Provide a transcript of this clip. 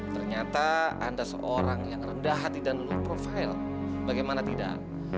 ternyata anda seorang yang rendah hati dan low profile bagaimana tidak